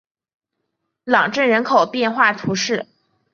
朗镇人口变化图示